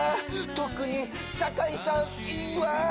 とくに酒井さんいいわ！